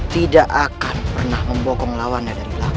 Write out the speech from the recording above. tidak akan pernah membokong lawannya dari belakang